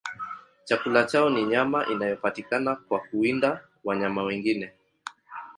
Chakula chao ni nyama inayopatikana kwa kuwinda wanyama wengine.